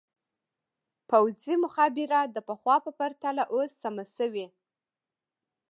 پوځي مخابره د پخوا په پرتله اوس سمه شوې.